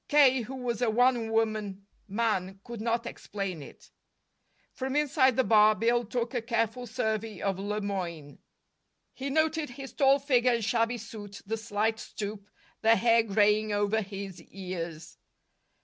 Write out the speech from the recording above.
K., who was a one woman man, could not explain it. From inside the bar Bill took a careful survey of Le Moyne. He noted his tall figure and shabby suit, the slight stoop, the hair graying over his ears.